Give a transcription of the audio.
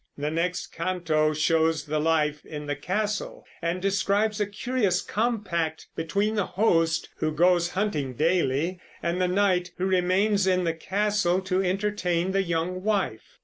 The next canto shows the life in the castle, and describes a curious compact between the host, who goes hunting daily, and the knight, who remains in the castle to entertain the young wife.